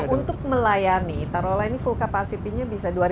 untuk melayani taruhlah ini full capacity nya bisa